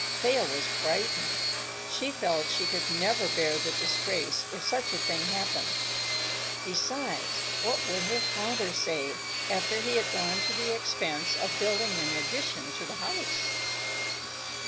Thea was frightened. She felt she could never bear the disgrace, if such a thing happened. Besides, what would her father say, after he had gone to the expense of building an addition to the house?